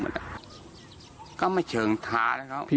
แล้วมันก็ไม่เฉิงทาแล้วครับ